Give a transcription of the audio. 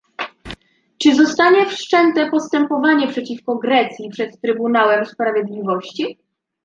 Czy zostanie wszczęte postępowanie przeciwko Grecji przed Trybunałem Sprawiedliwości?